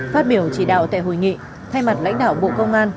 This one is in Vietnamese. phát biểu chỉ đạo tại hội nghị thay mặt lãnh đạo bộ công an